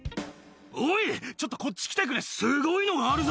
おい、ちょっとこっち来てくれ、すごいのがあるぞ！